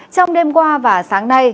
trong đêm qua và sáng nay